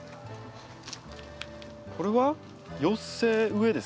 これは寄せ植えですか？